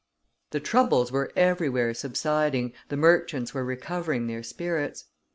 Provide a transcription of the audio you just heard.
The troubles were everywhere subsiding, the merchants were recovering their spirits.